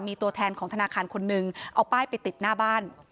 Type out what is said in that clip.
มีตัวแทนของธนาคารคนหนึ่งเอาป้ายไปติดหน้าบ้าน